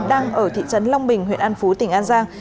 đang ở thị trấn long bình huyện an phú tỉnh an giang